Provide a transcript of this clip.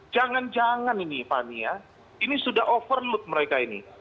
jangan jangan ini fani ya ini sudah overload mereka ini